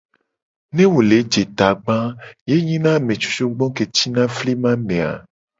Ne wo le je tagba a, ye nyina ame cucugbo ke cina flima me a.